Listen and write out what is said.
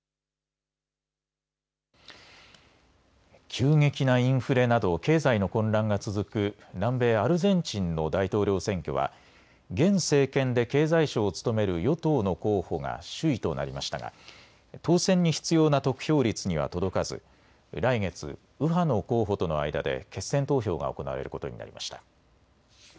急激なインフレなど経済の混乱が続く南米アルゼンチンの大統領選挙は現政権で経済相を務める与党の候補が首位となりましたが当選に必要な得票率には届かず来月、右派の候補との間で決選投票が行われることになりました。